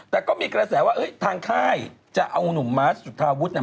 แต่ก็มีกระแสว่าทางค่ายจะเอาหนุ่มมาร์ชสุธาวุทธ์